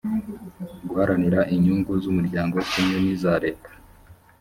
guharanira inyungu z umuryango kimwe niza leta